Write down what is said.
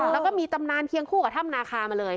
แล้วก็มีตำนานเคียงคู่กับถ้ำนาคามาเลย